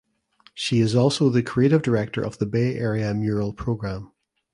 She is also the creative director of the Bay Area Mural Program.